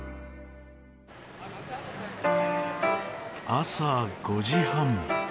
朝５時半。